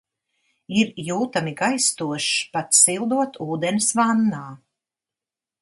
Ir jūtami gaistošs, pat sildot ūdens vannā.